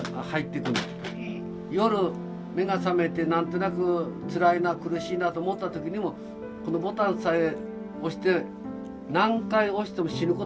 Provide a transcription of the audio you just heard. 夜目が覚めてなんとなく「つらいな苦しいな」と思った時にもこのボタンさえ押して何回押しても死ぬことはないからね。